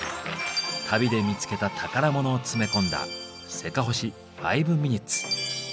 旅で見つけた宝物を詰め込んだ「せかほし５ｍｉｎ．」。